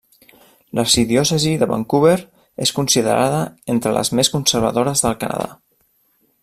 L'arxidiòcesi de Vancouver és considerada entre les més conservadores del Canadà.